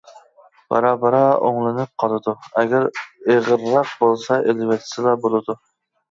بارا-بارا ئوڭلىنىپ قالىدۇ، ئەگەر ئېغىرراق بولسا ئېلىۋەتسىلا بولىدۇ.